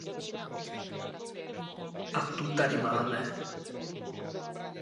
A tu tady máme.